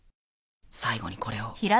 最後にこれを。